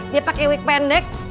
dia pakai wig pendek